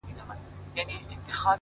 هغه نن بيا د چا د ياد گاونډى ـ